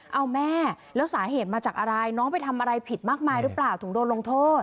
เอาแม่แล้วสาเหตุมาจากอะไรน้องไปทำอะไรผิดมากมายหรือเปล่าถึงโดนลงโทษ